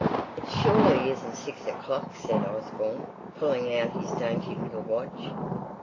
"It surely isn't six o'clock?" said Osborne, pulling out his dainty little watch.